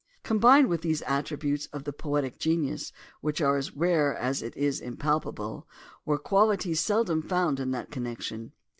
Combined with these attributes of the poetic genius, which is as rare as it is impalpable, were qualities seldom found in that con nection.